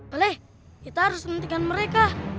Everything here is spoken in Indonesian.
oleh kita harus nentikan mereka